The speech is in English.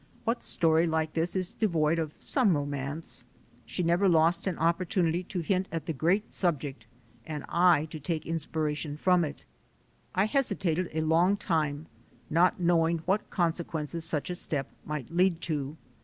What story like this is devoid of some romance? She never lost an opportunity to hint at the great subject and I to take inspiration from it. I hesitated a long time, not knowing what con sequences such a step might lead to.